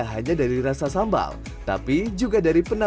karena semuanya sedih